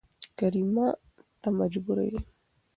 کريمه ته مجبوره يې